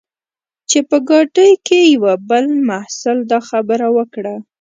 چې په ګاډۍ کې یوه بل محصل دا خبره وکړه.